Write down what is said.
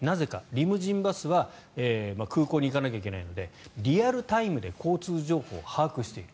リムジンバスは空港に行かなきゃいけないのでリアルタイムで交通情報を把握している。